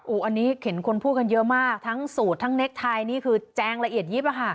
อันนี้เห็นคนพูดกันเยอะมากทั้งสูตรทั้งเค็กไทยนี่คือแจงละเอียดยิบอะค่ะ